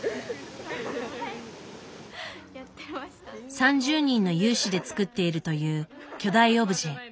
３０人の有志で作っているという巨大オブジェ。